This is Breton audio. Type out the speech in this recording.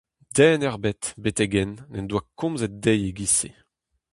Den ebet, betek-henn n'en doa komzet dezhi e-giz-se.